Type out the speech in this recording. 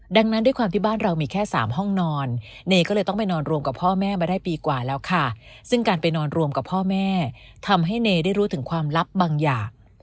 ดังนั้นด้วยความที่บ้านเรามีแค่๓ห้องนอนเนก็เลยต้องไปนอนรวมกับพ่อแม่มาได้ปีกว่าแล้วค่ะซึ่งการไปนอนรวมกับพ่อแม่ทำให้เนได้รู้ถึงความลับบางอย่าง